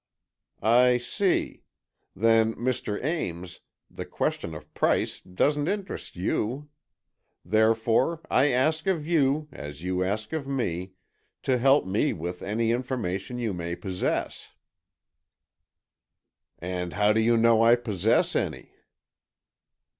"I see; then, Mr. Ames, the question of price doesn't interest you. Therefore, I ask of you, as you ask of me, to help me with any information you may possess." "And how do you know I possess any?"